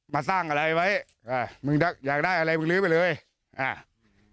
มาสร้างอะไรไว้อ่ามึงจะอยากได้อะไรมึงลื้อไปเลยอ่า